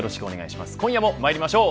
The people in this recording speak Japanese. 今夜もまいりましょう。